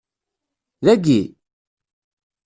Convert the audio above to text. Dayi?